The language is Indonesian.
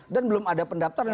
dan belum ada pendaptaran